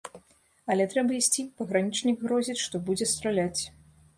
Але трэба ісці, пагранічнік грозіць, што будзе страляць.